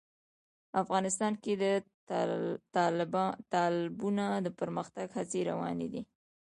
افغانستان کې د تالابونه د پرمختګ هڅې روانې دي.